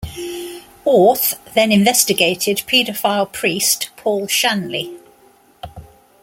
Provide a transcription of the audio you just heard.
Orth then investigated pedophile priest Paul Shanley.